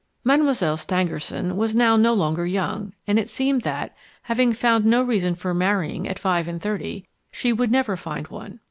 Mademoiselle Stangerson was now no longer young, and it seemed that, having found no reason for marrying at five and thirty, she would never find one.